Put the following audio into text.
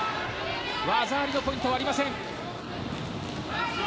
技ありのポイントはありません。